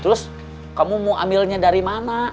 terus kamu mau ambilnya dari mana